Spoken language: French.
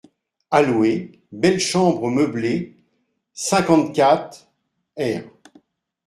A louer, belle chambre meublée, cinquante-quatre, r.